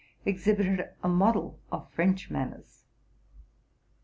exhibited a model of French manners.